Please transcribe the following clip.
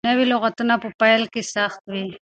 نوي لغتونه په پيل کې سخت وي.